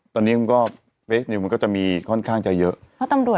ตอนเนี้ยมันก็มันก็จะมีค่อนข้างจะเยอะเพราะตำรวย